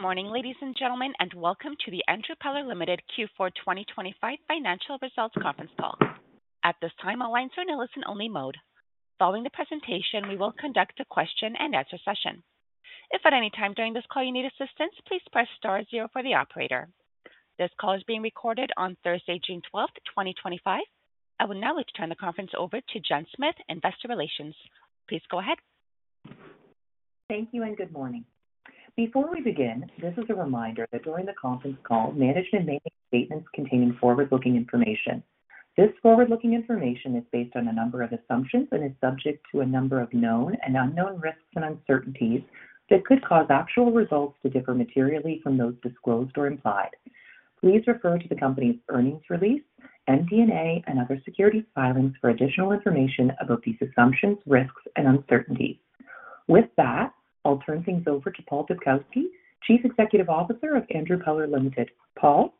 Good morning, ladies and gentlemen, and welcome to the Andrew Peller Limited Q4 2025 Financial Results Conference Call. At this time, our lines are in a listen-only mode. Following the presentation, we will conduct a question-and-answer session. If at any time during this call you need assistance, please press star zero for the operator. This call is being recorded on Thursday, June 12th, 2025. I will now turn the conference over to Jen Smith, Investor Relations. Please go ahead. Thank you and good morning. Before we begin, this is a reminder that during the conference call, management may make statements containing forward-looking information. This forward-looking information is based on a number of assumptions and is subject to a number of known and unknown risks and uncertainties that could cause actual results to differ materially from those disclosed or implied. Please refer to the company's earnings release, MD&A, and other securities filings for additional information about these assumptions, risks, and uncertainties. With that, I'll turn things over to Paul Dubkowski, Chief Executive Officer of Andrew Peller Limited. Paul.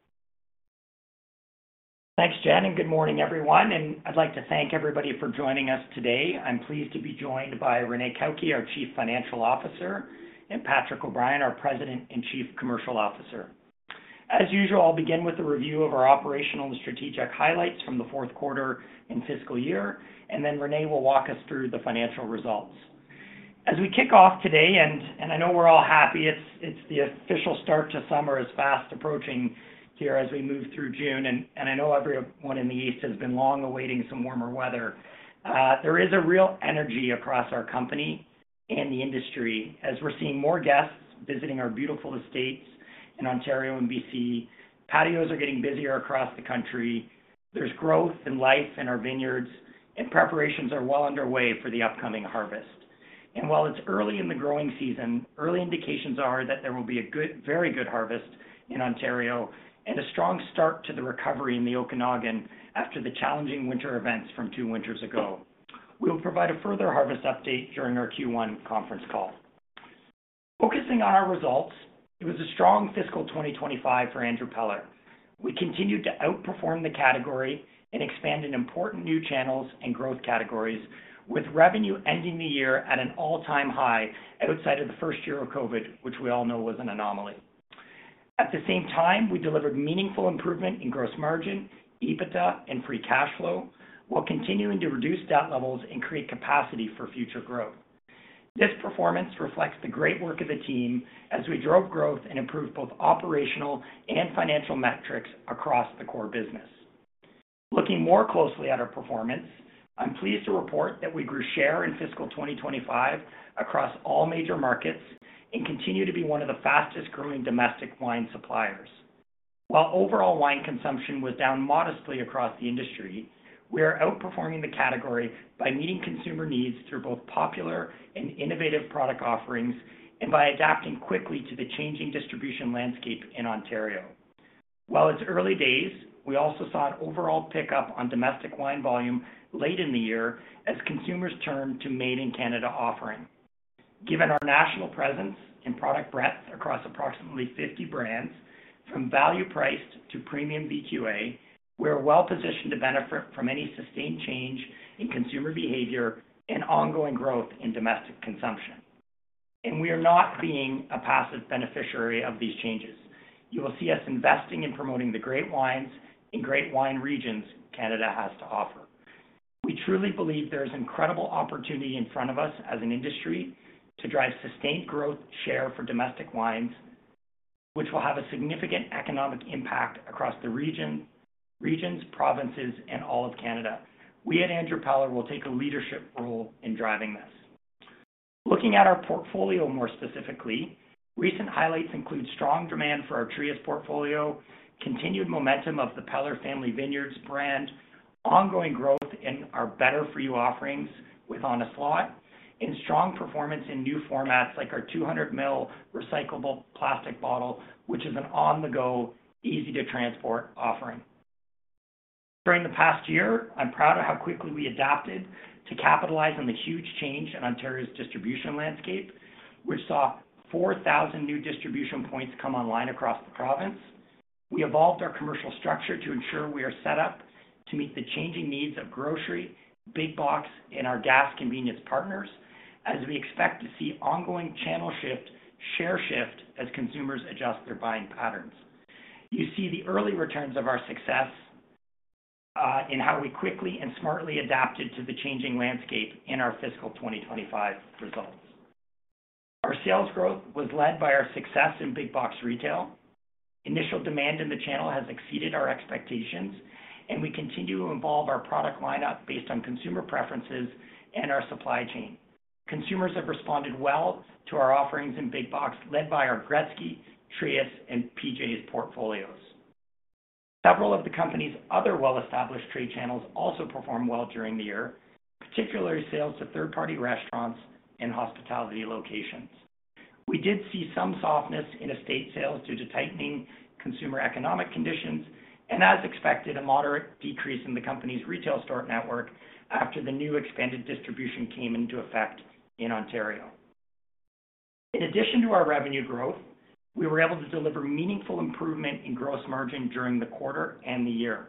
Thanks, Jen, and good morning, everyone. I'd like to thank everybody for joining us today. I'm pleased to be joined by Renee Cauchi, our Chief Financial Officer, and Patrick O'Brien, our President and Chief Commercial Officer. As usual, I'll begin with a review of our operational and strategic highlights from the fourth quarter and fiscal year, and then Renee will walk us through the financial results. As we kick off today, I know we're all happy, it's the official start to summer as fast approaching here as we move through June, and I know everyone in the East has been long awaiting some warmer weather. There is a real energy across our company and the industry as we're seeing more guests visiting our beautiful estates in Ontario and BC. Patios are getting busier across the country. is growth and life in our vineyards, and preparations are well underway for the upcoming harvest. While it is early in the growing season, early indications are that there will be a very good harvest in Ontario and a strong start to the recovery in the Okanagan after the challenging winter events from two winters ago. We will provide a further harvest update during our Q1 conference call. Focusing on our results, it was a strong fiscal 2025 for Andrew Peller. We continued to outperform the category and expand in important new channels and growth categories, with revenue ending the year at an all-time high outside of the first year of COVID, which we all know was an anomaly. At the same time, we delivered meaningful improvement in gross margin, EBITDA, and free cash flow while continuing to reduce debt levels and create capacity for future growth. This performance reflects the great work of the team as we drove growth and improved both operational and financial metrics across the core business. Looking more closely at our performance, I'm pleased to report that we grew share in fiscal 2025 across all major markets and continue to be one of the fastest-growing domestic wine suppliers. While overall wine consumption was down modestly across the industry, we are outperforming the category by meeting consumer needs through both popular and innovative product offerings and by adapting quickly to the changing distribution landscape in Ontario. While it's early days, we also saw an overall pickup on domestic wine volume late in the year as consumers turned to made-in-Canada offering. Given our national presence and product breadth across approximately 50 brands, from value-priced to premium VQA, we are well positioned to benefit from any sustained change in consumer behavior and ongoing growth in domestic consumption. We are not being a passive beneficiary of these changes. You will see us investing in promoting the great wines in great wine regions Canada has to offer. We truly believe there is incredible opportunity in front of us as an industry to drive sustained growth share for domestic wines, which will have a significant economic impact across the region, regions, provinces, and all of Canada. We at Andrew Peller will take a leadership role in driving this. Looking at our portfolio more specifically, recent highlights include strong demand for our Trius portfolio, continued momentum of the Peller Family Vineyards brand, ongoing growth in our better-for-you offerings with On a Slot, and strong performance in new formats like our 200 ml recyclable plastic bottle, which is an on-the-go, easy-to-transport offering. During the past year, I'm proud of how quickly we adapted to capitalize on the huge change in Ontario's distribution landscape, which saw 4,000 new distribution points come online across the province. We evolved our commercial structure to ensure we are set up to meet the changing needs of grocery, big box, and our gas convenience partners as we expect to see ongoing channel shift, share shift as consumers adjust their buying patterns. You see the early returns of our success in how we quickly and smartly adapted to the changing landscape in our fiscal 2025 results. Our sales growth was led by our success in big box retail. Initial demand in the channel has exceeded our expectations, and we continue to evolve our product lineup based on consumer preferences and our supply chain. Consumers have responded well to our offerings in big box led by our Gretzky, Trius, and PJ's portfolios. Several of the company's other well-established trade channels also performed well during the year, particularly sales to third-party restaurants and hospitality locations. We did see some softness in estate sales due to tightening consumer economic conditions and, as expected, a moderate decrease in the company's retail store network after the new expanded distribution came into effect in Ontario. In addition to our revenue growth, we were able to deliver meaningful improvement in gross margin during the quarter and the year.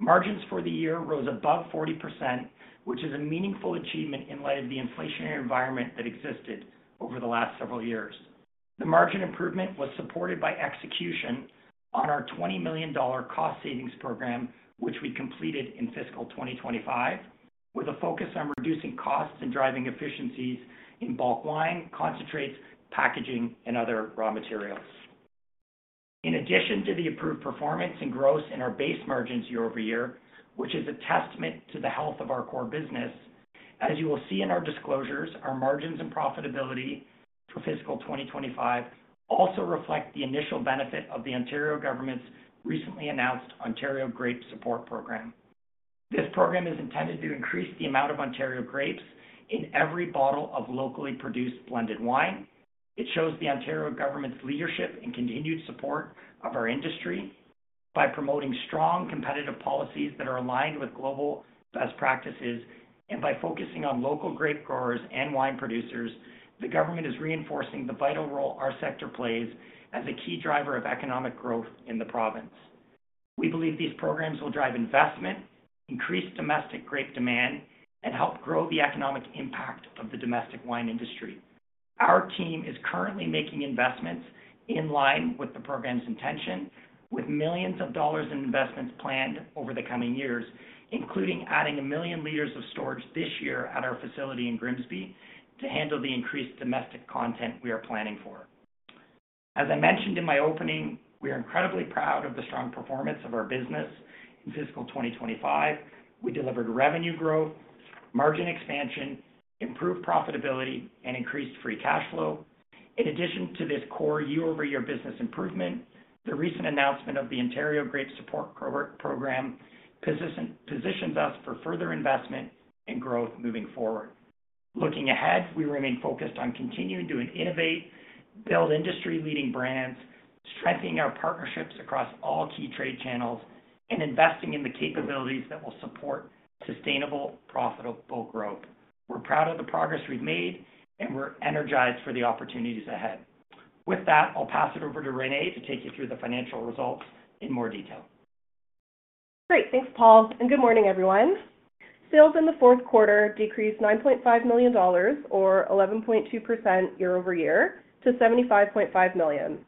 Margins for the year rose above 40%, which is a meaningful achievement in light of the inflationary environment that existed over the last several years. The margin improvement was supported by execution on our 20 Fiscal cost savings program, which we completed in fiscal 2025 with a focus on reducing costs and driving efficiencies in bulk wine, concentrates, packaging, and other raw materials. In addition to the improved performance and growth in our base margins year over year, which is a testament to the health of our core business, as you will see in our disclosures, our margins and profitability for fiscal 2025 also reflect the initial benefit of the Ontario government's recently announced Ontario Grape Support Program. This program is intended to increase the amount of Ontario grapes in every bottle of locally produced blended wine. It shows the Ontario government's leadership and continued support of our industry by promoting strong competitive policies that are aligned with global best practices, and by focusing on local grape growers and wine producers, the government is reinforcing the vital role our sector plays as a key driver of economic growth in the province. We believe these programs will drive investment, increase domestic grape demand, and help grow the economic impact of the domestic wine industry. Our team is currently making investments in line with the program's intention, with millions of dollars in investments planned over the coming years, including adding 1 million liters of storage this year at our facility in Grimsby to handle the increased domestic content we are planning for. As I mentioned in my opening, we are incredibly proud of the strong performance of our business in fiscal 2025. We delivered revenue growth, margin expansion, improved profitability, and increased free cash flow. In addition to this core year-over-year business improvement, the recent announcement of the Ontario Grape Support Program positions us for further investment and growth moving forward. Looking ahead, we remain focused on continuing to innovate, build industry-leading brands, strengthening our partnerships across all key trade channels, and investing in the capabilities that will support sustainable, profitable growth. We're proud of the progress we've made, and we're energized for the opportunities ahead. With that, I'll pass it over to Renee to take you through the financial results in more detail. Great. Thanks, Paul. Good morning, everyone. Sales in the fourth quarter decreased CAD $9.5 million, or 11.2% year-over-year, to CAD $75.5 million.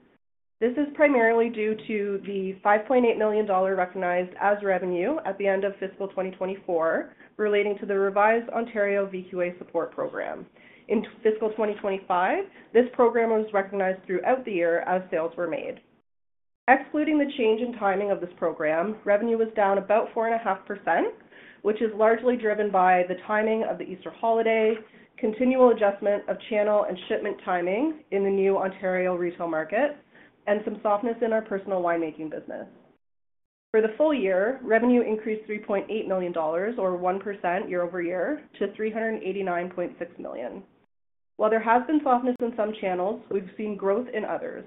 This is primarily due to the CAD $5.8 million recognized as revenue at the end of fiscal 2024 relating to the revised Ontario VQA Support Program. In fiscal 2025, this program was recognized throughout the year as sales were made. Excluding the change in timing of this program, revenue was down about 4.5%, which is largely driven by the timing of the Easter holiday, continual adjustment of channel and shipment timing in the new Ontario retail market, and some softness in our personal winemaking business. For the full year, revenue increased CAD $3.8 million, or 1% year-over-year, to CAD $389.6 million. While there has been softness in some channels, we've seen growth in others.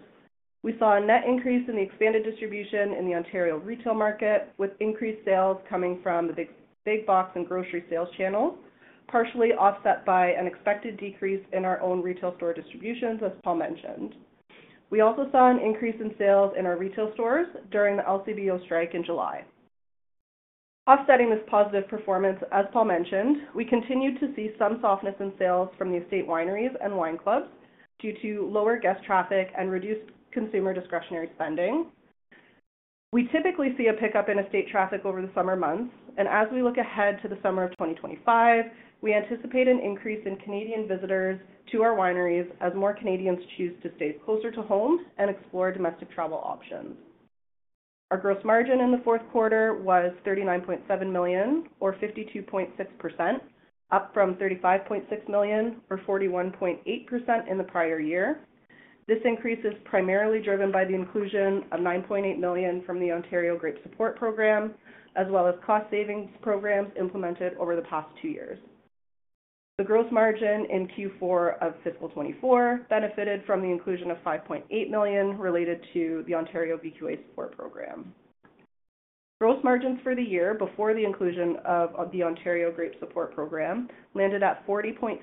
We saw a net increase in the expanded distribution in the Ontario retail market, with increased sales coming from the big box and grocery sales channels, partially offset by an expected decrease in our own retail store distributions, as Paul mentioned. We also saw an increase in sales in our retail stores during the LCBO strike in July. Offsetting this positive performance, as Paul mentioned, we continue to see some softness in sales from the estate wineries and wine clubs due to lower guest traffic and reduced consumer discretionary spending. We typically see a pickup in estate traffic over the summer months, and as we look ahead to the summer of 2025, we anticipate an increase in Canadian visitors to our wineries as more Canadians choose to stay closer to home and explore domestic travel options. Our gross margin in the fourth quarter was CAD $39.7 million, or 52.6%, up from CAD $35.6 million, or 41.8% in the prior year. This increase is primarily driven by the inclusion of CAD $9.8 million from the Ontario Grape Support Program, as well as cost savings programs implemented over the past two years. The gross margin in Q4 of fiscal 2024 benefited from the inclusion of CAD $5.8 million related to the Ontario VQA Support Program. Gross margins for the year before the inclusion of the Ontario Grape Support Program landed at 40.3%,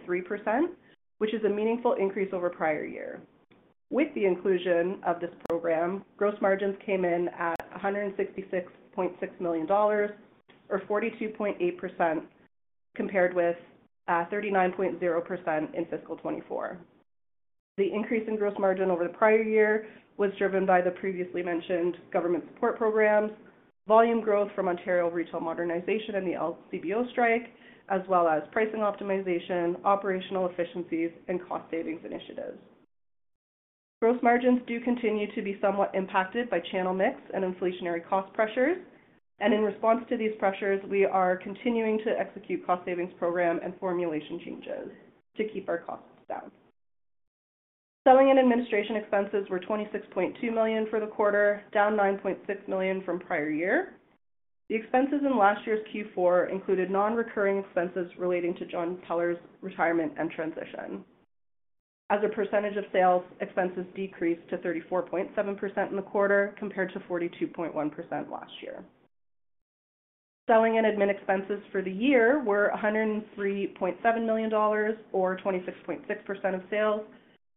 which is a meaningful increase over prior year. With the inclusion of this program, gross margins came in at CAD $166.6 million, or 42.8%, compared with 39.0% in fiscal 2024. The increase in gross margin over the prior year was driven by the previously mentioned government support programs, volume growth from Ontario retail modernization and the LCBO strike, as well as pricing optimization, operational efficiencies, and cost savings initiatives. Gross margins do continue to be somewhat impacted by channel mix and inflationary cost pressures, and in response to these pressures, we are continuing to execute cost savings programs and formulation changes to keep our costs down. Selling and administration expenses were CAD $26.2 million for the quarter, down CAD $9.6 million from prior year. The expenses in last year's Q4 included non-recurring expenses relating to John Peller's retirement and transition. As a percentage of sales, expenses decreased to 34.7% in the quarter compared to 42.1% last year. Selling and administration expenses for the year were CAD $103.7 million, or 26.6% of sales,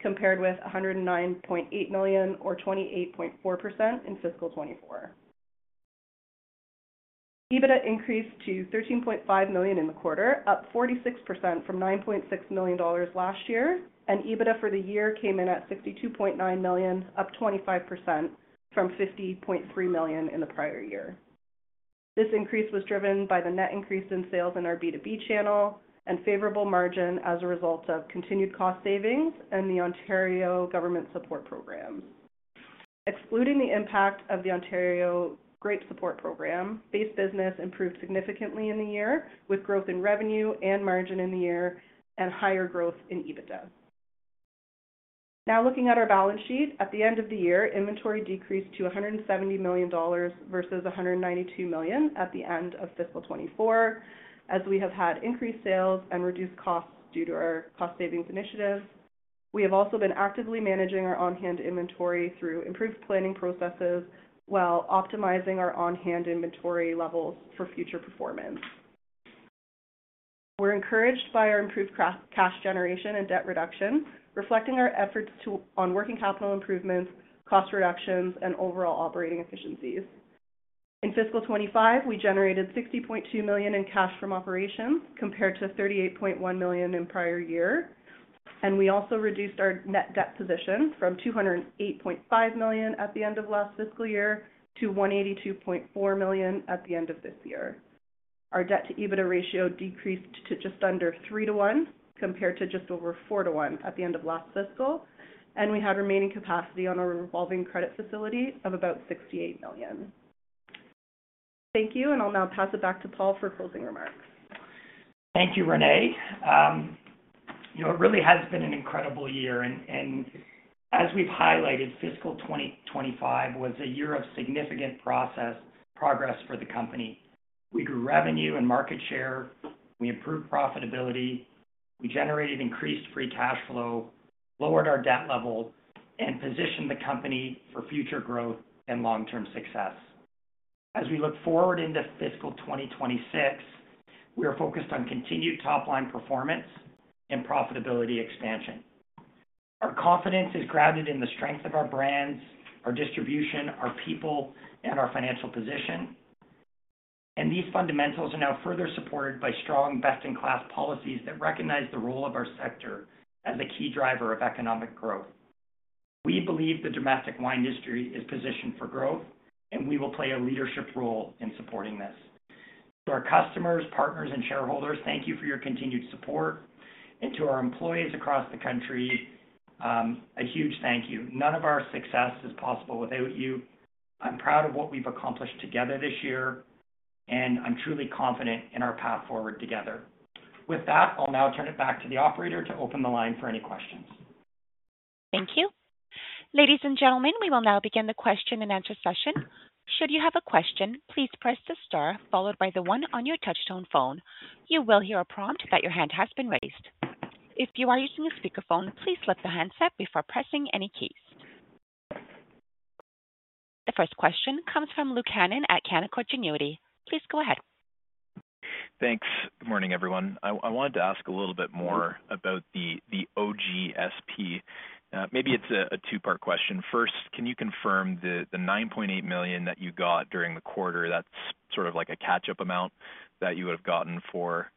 compared with CAD $109.8 million, or 28.4% in fiscal 2024. EBITDA increased to CAD $13.5 million in the quarter, up 46% from CAD $9.6 million last year, and EBITDA for the year came in at CAD $62.9 million, up 25% from CAD $50.3 million in the prior year. This increase was driven by the net increase in sales in our B2B channel and favorable margin as a result of continued cost savings and the Ontario government support programs. Excluding the impact of the Ontario Grape Support Program, base business improved significantly in the year, with growth in revenue and margin in the year and higher growth in EBITDA. Now looking at our balance sheet, at the end of the year, inventory decreased to CAD $170 million versus CAD $192 million at the end of fiscal 2024. As we have had increased sales and reduced costs due to our cost savings initiatives, we have also been actively managing our on-hand inventory through improved planning processes while optimizing our on-hand inventory levels for future performance. We're encouraged by our improved cash generation and debt reduction, reflecting our efforts on working capital improvements, cost reductions, and overall operating efficiencies. In fiscal 2025, we generated CAD $60.2 million in cash from operations compared to CAD $38.1 million in prior year, and we also reduced our net debt position from CAD $208.5 million at the end of last fiscal year to CAD $182.4 million at the end of this year. Our debt-to-EBITDA ratio decreased to just under 3 to 1 compared to just over 4 to 1 at the end of last fiscal, and we had remaining capacity on our revolving credit facility of about CAD $68 million. Thank you, and I'll now pass it back to Paul for closing remarks. Thank you, Renee. It really has been an incredible year, and as we've highlighted, fiscal 2025 was a year of significant progress for the company. We grew revenue and market share, we improved profitability, we generated increased free cash flow, lowered our debt level, and positioned the company for future growth and long-term success. As we look forward into fiscal 2026, we are focused on continued top-line performance and profitability expansion. Our confidence is grounded in the strength of our brands, our distribution, our people, and our financial position, and these fundamentals are now further supported by strong, best-in-class policies that recognize the role of our sector as a key driver of economic growth. We believe the domestic wine industry is positioned for growth, and we will play a leadership role in supporting this. To our customers, partners, and shareholders, thank you for your continued support, and to our employees across the country, a huge thank you. None of our success is possible without you. I'm proud of what we've accomplished together this year, and I'm truly confident in our path forward together. With that, I'll now turn it back to the operator to open the line for any questions. Thank you. Ladies and gentlemen, we will now begin the question-and-answer session. Should you have a question, please press the star followed by the one on your touchtone phone. You will hear a prompt that your hand has been raised. If you are using a speakerphone, please flip the handset before pressing any keys. The first question comes from Luke Hannan at Canaccord Genuity. Please go ahead. Thanks. Good morning, everyone. I wanted to ask a little bit more about the OGSP. Maybe it's a two-part question. First, can you confirm the CAD $9.8 million that you got during the quarter? That's sort of like a catch-up amount that you would have gotten for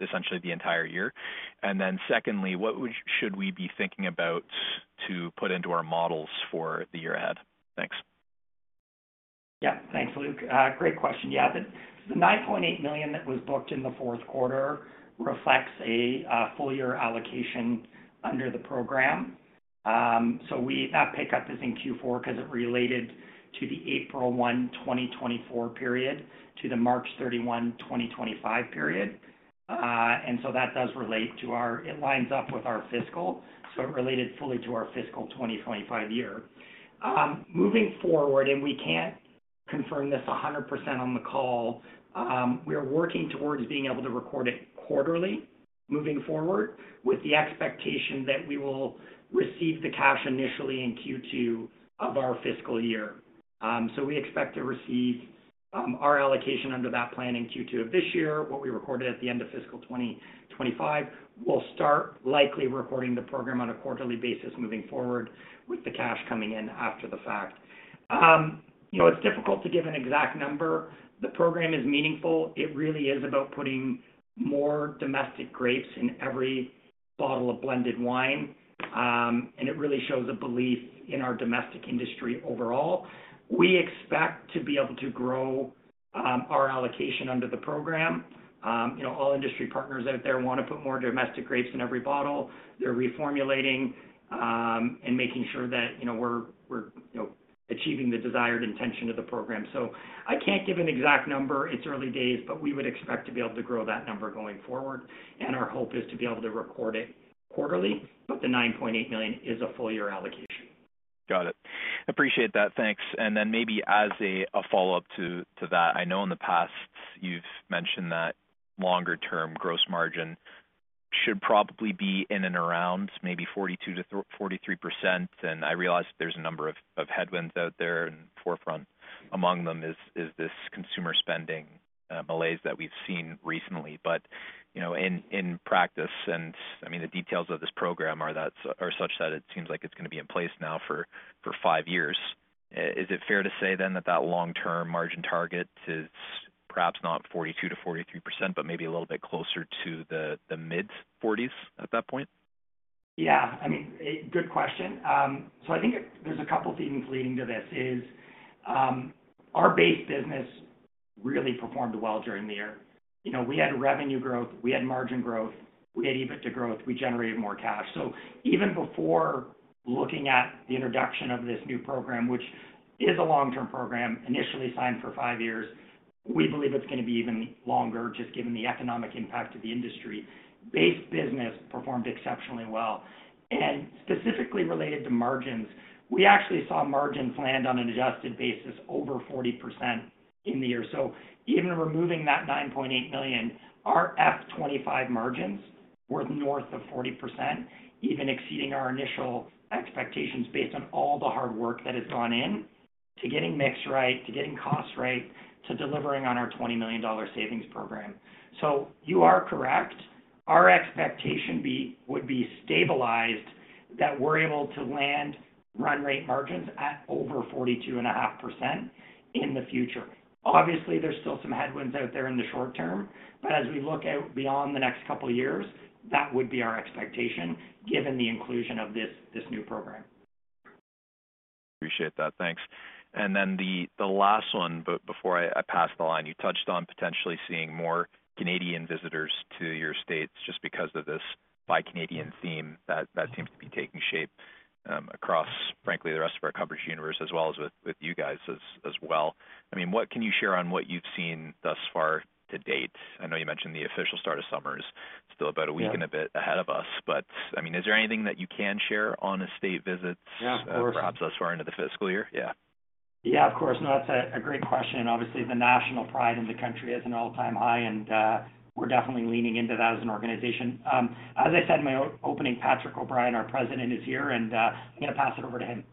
essentially the entire year. And then secondly, what should we be thinking about to put into our models for the year ahead? Thanks. Yeah. Thanks, Luke. Great question. Yeah, the CAD $9.8 million that was booked in the fourth quarter reflects a full-year allocation under the program. That pickup is in Q4 because it related to the April 1, 2024 period to the March 31, 2025 period. That does relate to our—it lines up with our fiscal, so it related fully to our fiscal 2025 year. Moving forward, and we can't confirm this 100% on the call, we're working towards being able to record it quarterly moving forward with the expectation that we will receive the cash initially in Q2 of our fiscal year. We expect to receive our allocation under that plan in Q2 of this year, what we recorded at the end of fiscal 2025. We'll start likely recording the program on a quarterly basis moving forward with the cash coming in after the fact. It's difficult to give an exact number. The program is meaningful. It really is about putting more domestic grapes in every bottle of blended wine, and it really shows a belief in our domestic industry overall. We expect to be able to grow our allocation under the program. All industry partners out there want to put more domestic grapes in every bottle. They're reformulating and making sure that we're achieving the desired intention of the program. I can't give an exact number. It's early days, but we would expect to be able to grow that number going forward, and our hope is to be able to record it quarterly. The CAD $9.8 million is a full-year allocation. Got it. Appreciate that. Thanks. Maybe as a follow-up to that, I know in the past you've mentioned that longer-term gross margin should probably be in and around maybe 42-43%, and I realize there's a number of headwinds out there in the forefront. Among them is this consumer spending malaise that we've seen recently. In practice, I mean, the details of this program are such that it seems like it's going to be in place now for five years. Is it fair to say then that that long-term margin target is perhaps not 42-43%, but maybe a little bit closer to the mid-40s at that point? Yeah. I mean, good question. I think there's a couple of things leading to this. Our base business really performed well during the year. We had revenue growth, we had margin growth, we had EBITDA growth, we generated more cash. Even before looking at the introduction of this new program, which is a long-term program initially signed for five years, we believe it's going to be even longer just given the economic impact of the industry. Base business performed exceptionally well. Specifically related to margins, we actually saw margins land on an adjusted basis over 40% in the year. Even removing that CAD $9.8 million, our F2025 margins were north of 40%, even exceeding our initial expectations based on all the hard work that has gone into getting mix right, to getting cost right, to delivering on our CAD $20 million savings program. You are correct. Our expectation would be stabilized that we're able to land run rate margins at over 42.5% in the future. Obviously, there's still some headwinds out there in the short term, but as we look out beyond the next couple of years, that would be our expectation given the inclusion of this new program. Appreciate that. Thanks. The last one, before I pass the line, you touched on potentially seeing more Canadian visitors to your estates just because of this Buy Canadian theme that seems to be taking shape across, frankly, the rest of our coverage universe as well as with you guys as well. I mean, what can you share on what you've seen thus far to date? I know you mentioned the official start of summer is still about a week and a bit ahead of us, but I mean, is there anything that you can share on estate visits that perhaps thus far into the fiscal year? Yeah. Yeah, of course. No, that's a great question. Obviously, the national pride in the country is at an all-time high, and we're definitely leaning into that as an organization. As I said in my opening, Patrick O'Brien, our President, is here, and I'm going to pass it over to him.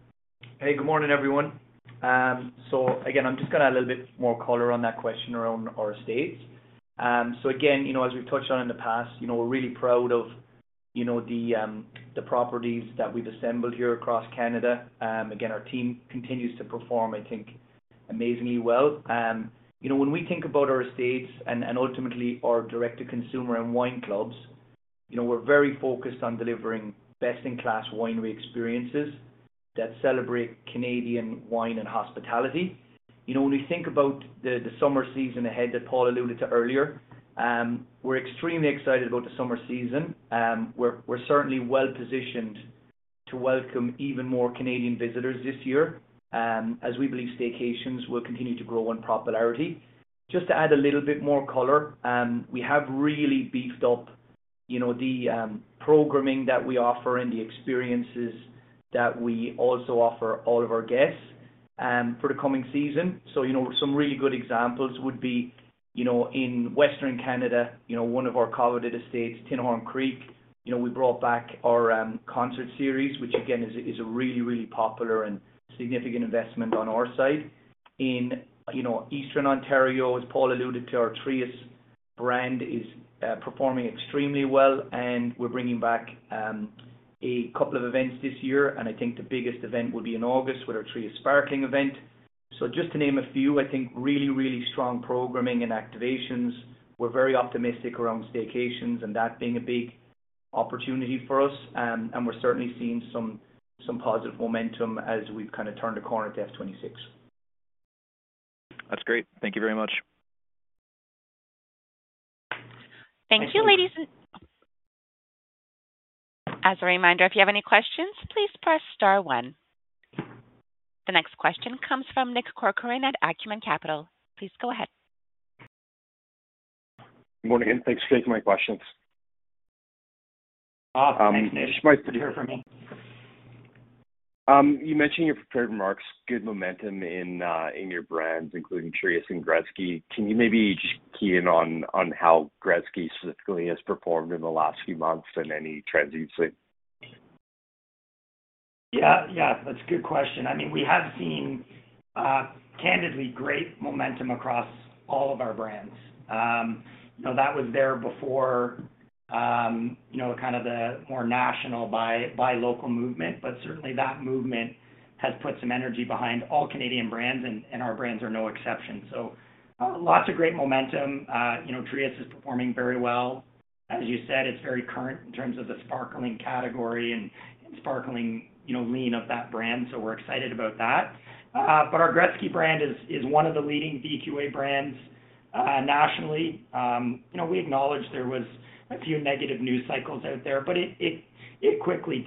Hey, good morning, everyone. I'm just going to add a little bit more color on that question around our estates. As we've touched on in the past, we're really proud of the properties that we've assembled here across Canada. Our team continues to perform, I think, amazingly well. When we think about our estates and ultimately our direct-to-consumer and wine clubs, we're very focused on delivering best-in-class winery experiences that celebrate Canadian wine and hospitality. When we think about the summer season ahead that Paul alluded to earlier, we're extremely excited about the summer season. We're certainly well-positioned to welcome even more Canadian visitors this year as we believe staycations will continue to grow in popularity. Just to add a little bit more color, we have really beefed up the programming that we offer and the experiences that we also offer all of our guests for the coming season. Some really good examples would be in western Canada, one of our coveted estates, Tinhorn Creek. We brought back our concert series, which again is a really, really popular and significant investment on our side. In eastern Ontario, as Paul alluded to, our Trius brand is performing extremely well, and we're bringing back a couple of events this year. I think the biggest event will be in August with our Trius Sparkling event. Just to name a few, I think really, really strong programming and activations. We're very optimistic around staycations and that being a big opportunity for us, and we're certainly seeing some positive momentum as we've kind of turned the corner to F2026. That's great. Thank you very much. Thank you, ladies. As a reminder, if you have any questions, please press star one. The next question comes from Nick Corcoran at Acumen Capital. Please go ahead. Good morning and thanks for taking my questions. Awesome. It's nice to hear from you. You mentioned in your prepared remarks, good momentum in your brands, including Trius and Gretzky. Can you maybe just key in on how Gretzky specifically has performed in the last few months and any trends you've seen? Yeah. Yeah. That's a good question. I mean, we have seen candidly great momentum across all of our brands. That was there before kind of the more national buy local movement, but certainly that movement has put some energy behind all Canadian brands, and our brands are no exception. Lots of great momentum. Trius is performing very well. As you said, it's very current in terms of the sparkling category and sparkling lean of that brand, so we're excited about that. Our Gretzky brand is one of the leading VQA brands nationally. We acknowledged there were a few negative news cycles out there, but it quickly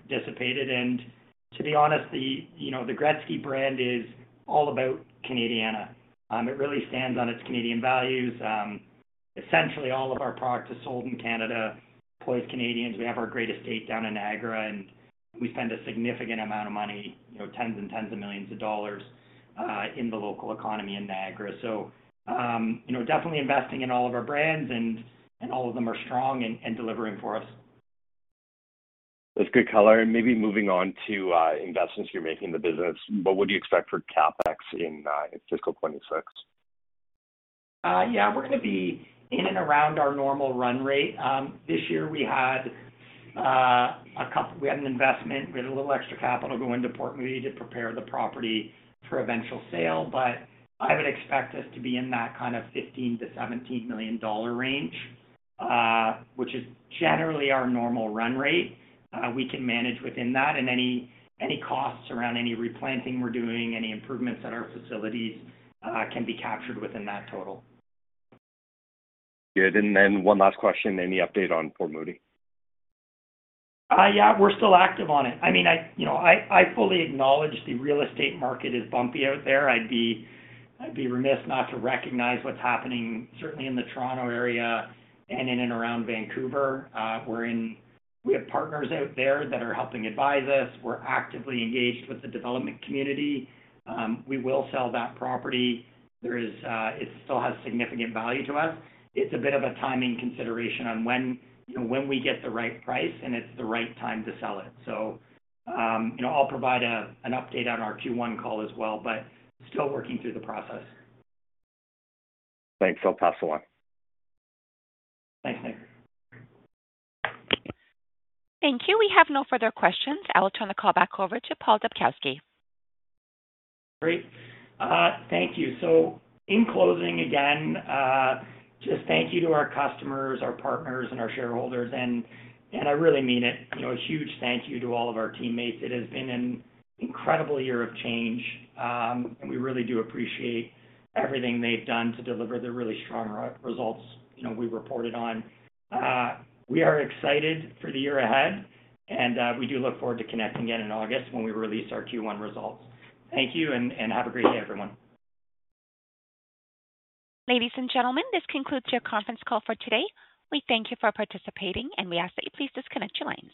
dissipated. To be honest, the Gretzky brand is all about Canadiana. It really stands on its Canadian values. Essentially, all of our product is sold in Canada, employs Canadians. We have our great estate down in Niagara, and we spend a significant amount of money, tens and tens of millions of dollars in the local economy in Niagara. Definitely investing in all of our brands, and all of them are strong and delivering for us. That's good color. Maybe moving on to investments you're making in the business, what would you expect for CapEx in fiscal 2026? Yeah. We're going to be in and around our normal run rate. This year, we had a couple—we had an investment. We had a little extra capital go into Port Louis to prepare the property for eventual sale, but I would expect us to be in that kind of $15-$17 million range, which is generally or normal run rate. We can manage within that, and any costs around any replanting we're doing, any improvements at our facilities can be captured within that total. Good. One last question. Any update on Port Louis? Yeah. We're still active on it. I mean, I fully acknowledge the real estate market is bumpy out there. I'd be remiss not to recognize what's happening, certainly in the Toronto area and in and around Vancouver. We have partners out there that are helping advise us. We're actively engaged with the development community. We will sell that property. It still has significant value to us. It's a bit of a timing consideration on when we get the right price, and it's the right time to sell it. I'll provide an update on our Q1 call as well, but still working through the process. Thanks. I'll pass the line. Thanks, Nick. Thank you. We have no further questions. I'll turn the call back over to Paul Dubkowski. Great. Thank you. In closing, again, just thank you to our customers, our partners, and our shareholders. I really mean it. A huge thank you to all of our teammates. It has been an incredible year of change, and we really do appreciate everything they've done to deliver the really strong results we reported on. We are excited for the year ahead, and we do look forward to connecting again in August when we release our Q1 results. Thank you, and have a great day, everyone. Ladies and gentlemen, this concludes your conference call for today. We thank you for participating, and we ask that you please disconnect your lines.